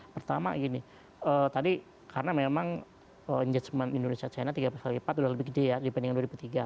pertama gini tadi karena memang injajemen indonesia china tiga x empat udah lebih gede ya dibandingkan dua ribu tiga